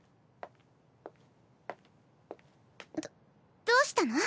どどうしたの？